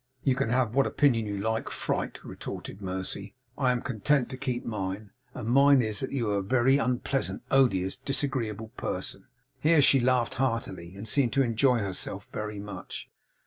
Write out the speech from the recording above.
'You can have what opinion you like, fright,' retorted Mercy. 'I am content to keep mine; and mine is that you are a very unpleasant, odious, disagreeable person.' Here she laughed heartily, and seemed to enjoy herself very much.